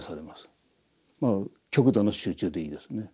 極度の集中でいいですね。